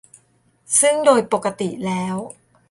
ซึ่งโดยปกติแล้ว